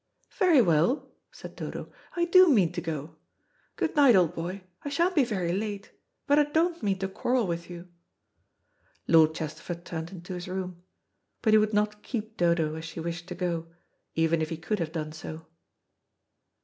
"Very well," said Dodo, "I do mean to go. Good night, old boy. I sha'n't be very late. But I don't mean to quarrel with you." Lord Chesterford turned into his room. But he would not keep Dodo, as she wished to go, even if he could have done so.